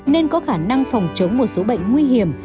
nên có khả năng phòng chống một số bệnh nguy hiểm